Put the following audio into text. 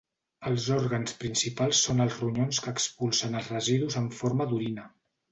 Els òrgans principals són els ronyons que expulsen els residus en forma d'orina.